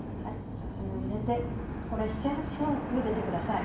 ささ身を入れてこれ７８分ゆでて下さい。